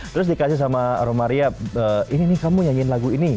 terus dikasih sama romaria ini nih kamu nyanyiin lagu ini